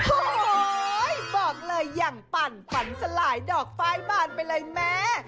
โอ้โหบอกเลยอย่างปั่นขวัญสลายดอกไฟล์บานไปเลยแม่